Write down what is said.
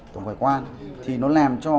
tổng hải quan thì nó làm cho